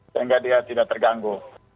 sehingga dia tidak terganggu